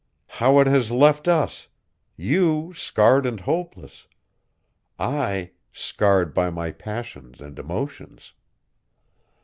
How it has left us you scarred and hopeless; I, scarred by my passions and emotions.